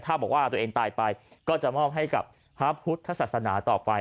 ถ้าบอกว่าตัวเองตายไปก็จะมอบให้กับพระพุทธศาสนาต่อไป